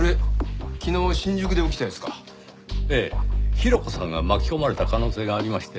ヒロコさんが巻き込まれた可能性がありまして。